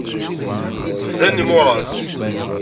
Bdan yimuras.